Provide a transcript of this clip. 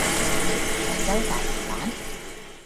長洲大魚蛋